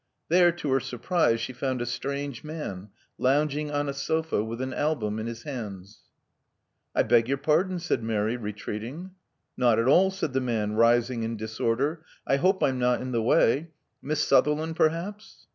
There, to her surprise, she round a strange man, lounging on a sofa with an album^in his hands. I beg your pardon, " said Mary, retreating. Not at all,*' said the man, rising in disorder. I hope I'm not in the way. Miss Sutherland, perhaps."